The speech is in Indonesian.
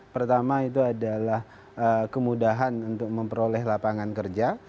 pertama itu adalah kemudahan untuk memperoleh lapangan kerja